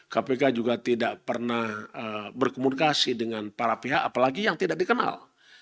kpk juga tidak pernah berkomunikasi dengan para pihak apalagi yang tidak dikenal